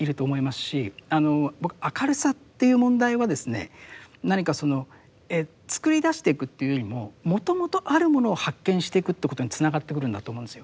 僕明るさっていう問題はですね何か作り出していくっていうよりももともとあるものを発見していくということにつながってくるんだと思うんですよ。